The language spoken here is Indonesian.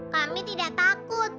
kami tidak takut